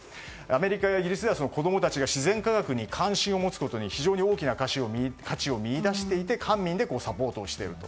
アメリカ、イギリスでは子供たちが自然科学に関心を持つことに、非常に大きな価値を見いだしていて官民でサポートをしていると。